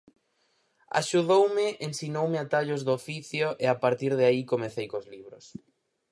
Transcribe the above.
Axudoume, ensinoume atallos do oficio, e a partir de aí comecei cos libros.